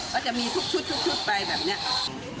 ก็จะมีทุกชุดไปแบบนี้